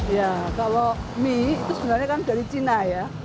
ya kalau mie itu sebenarnya kan dari cina ya